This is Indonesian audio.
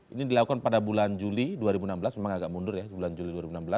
ini dilakukan pada bulan juli dua ribu enam belas memang agak mundur ya bulan juli dua ribu enam belas